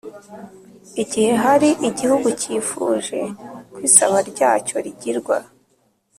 Igihe hari igihugu cyifuje ko isaba ryacyo rigirwa